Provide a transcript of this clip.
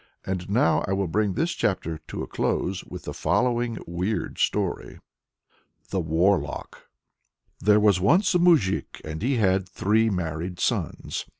And now I will bring this chapter to a close with the following weird story of THE WARLOCK. There was once a Moujik, and he had three married sons.